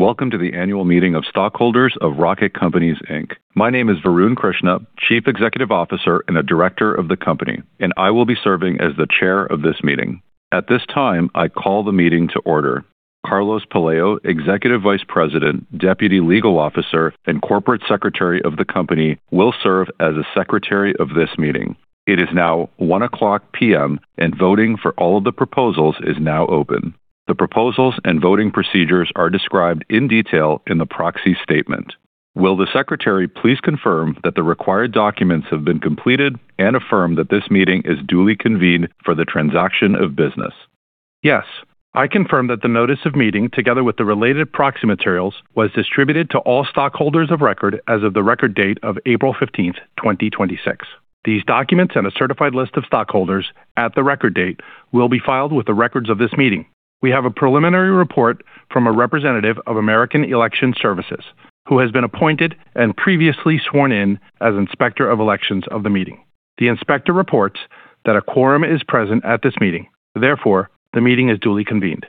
Welcome to the annual meeting of stockholders of Rocket Companies, Inc. My name is Varun Krishna, Chief Executive Officer and a director of the company, I will be serving as the chair of this meeting. At this time, I call the meeting to order. Carlos Pelayo, Executive Vice President, Deputy Legal Officer, and Corporate Secretary of the company will serve as the secretary of this meeting. It is now 1:00 P.M., voting for all of the proposals is now open. The proposals and voting procedures are described in detail in the proxy statement. Will the secretary please confirm that the required documents have been completed and affirm that this meeting is duly convened for the transaction of business? Yes. I confirm that the notice of meeting, together with the related proxy materials, was distributed to all stockholders of record as of the record date of April 15th, 2026. These documents and a certified list of stockholders at the record date will be filed with the records of this meeting. We have a preliminary report from a representative of American Election Services, who has been appointed and previously sworn in as Inspector of Elections of the meeting. The inspector reports that a quorum is present at this meeting. Therefore, the meeting is duly convened.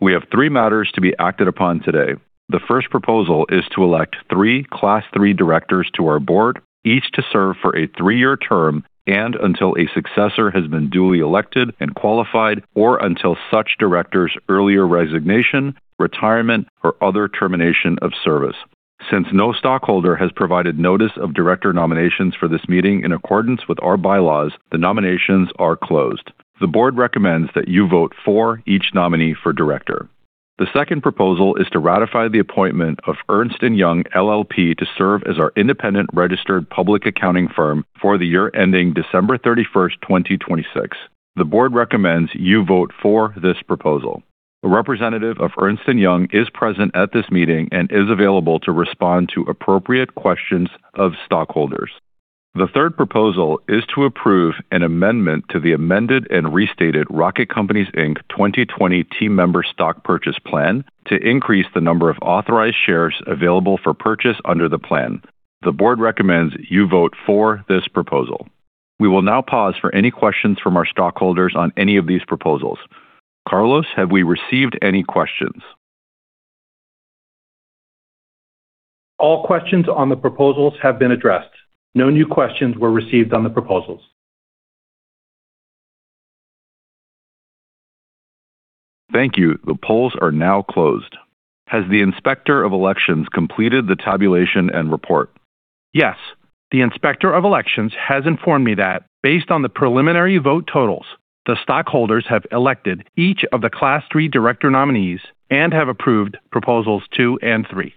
We have three matters to be acted upon today. The first proposal is to elect three Class III directors to our board, each to serve for a three-year term and until a successor has been duly elected and qualified, or until such director's earlier resignation, retirement, or other termination of service. Since no stockholder has provided notice of director nominations for this meeting in accordance with our bylaws, the nominations are closed. The board recommends that you vote for each nominee for director. The second proposal is to ratify the appointment of Ernst & Young LLP to serve as our independent registered public accounting firm for the year ending December 31st, 2026. The board recommends you vote for this proposal. A representative of Ernst & Young is present at this meeting and is available to respond to appropriate questions of stockholders. The third proposal is to approve an amendment to the amended and restated Rocket Companies, Inc. 2020 Employee Stock Purchase Plan to increase the number of authorized shares available for purchase under the plan. The board recommends you vote for this proposal. We will now pause for any questions from our stockholders on any of these proposals. Carlos, have we received any questions? All questions on the proposals have been addressed. No new questions were received on the proposals. Thank you. The polls are now closed. Has the Inspector of Elections completed the tabulation and report? Yes. The Inspector of Elections has informed me that based on the preliminary vote totals, the stockholders have elected each of the Class III director nominees and have approved proposals two and three.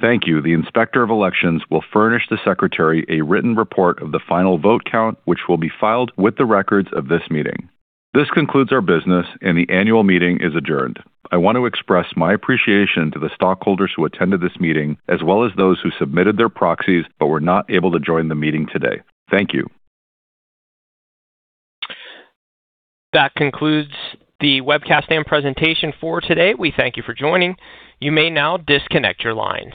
Thank you. The Inspector of Elections will furnish the secretary a written report of the final vote count, which will be filed with the records of this meeting. This concludes our business and the annual meeting is adjourned. I want to express my appreciation to the stockholders who attended this meeting, as well as those who submitted their proxies but were not able to join the meeting today. Thank you. That concludes the webcast and presentation for today. We thank you for joining. You may now disconnect your line.